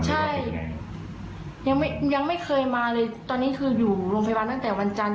ใช่ยังไม่เคยมาเลยตอนนี้คืออยู่โรงพยาบาลตั้งแต่วันจันทร์